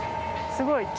すごい。